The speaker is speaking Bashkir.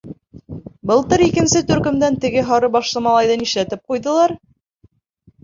Былтыр икенсе төркөмдән теге һары башлы малайҙы нишләтеп ҡуйҙылар?